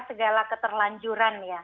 segala keterlanjuran ya